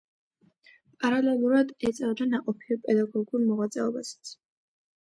პარალელურად ეწეოდა ნაყოფიერ პედაგოგიურ მოღვაწეობასაც.